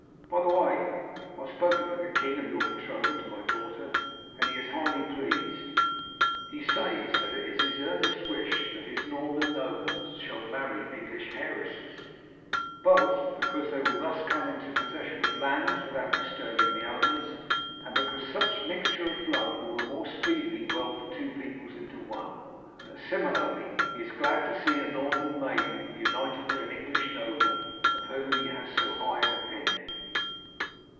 By the way, I have spoken to the king of your betrothal to my daughter, and he is highly pleased. He says that it is his earnest wish that his Norman nobles shall marry English heiresses, both because they will thus come into possession of lands without disturbing the owners, and because such mixture of blood will the more speedily weld the two peoples into one; and that, similarly, he is glad to see a Norman maiden united to an English noble of whom he has so high an opinion."